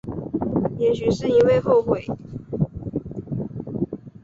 也许是因为后悔